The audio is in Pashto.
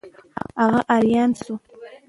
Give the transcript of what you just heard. هغه آریان شو.